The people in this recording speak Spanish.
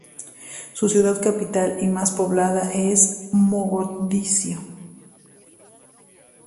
Su ciudad capital y más poblada es Mogadiscio.